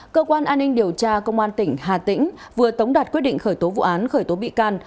cơ quan an ninh điều tra công an tỉnh hà tĩnh vừa tống đạt quyết định khởi tố vụ án khởi tố bị can